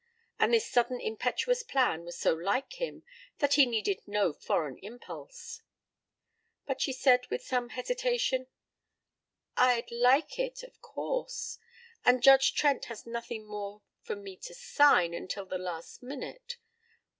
And this sudden impetuous plan was so like him that he needed no foreign impulse. But she answered with some hesitation: "I'd like it, of course. And Judge Trent has nothing more for me to sign until the last minute.